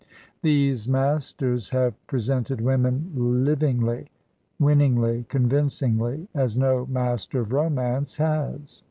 These masters have presented women livingly, win ningly, convincingly as no master of romance has.